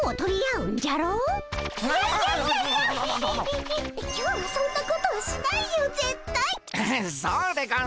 うんそうでゴンス。